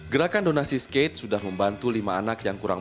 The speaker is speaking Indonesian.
gerakan donasi skate sudah membantu lima anak yang kurang